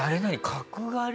「角刈り」。